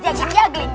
terus dia ceknya gelit